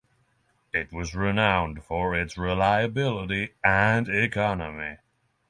It was renowned for its reliability and economy.